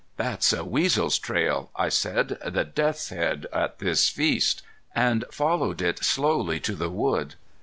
"That's a weasel's trail," I said, "the death's head at this feast," and followed it slowly to the wood.